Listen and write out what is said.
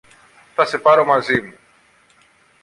Θα σε πάρω μαζί μου.